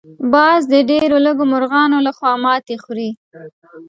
باز د ډېر لږو مرغانو لخوا ماتې خوري